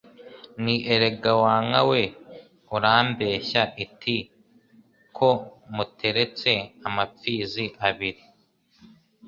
Nti erega wa nka we urambeshya Iti ko muteretse amapfizi abiri,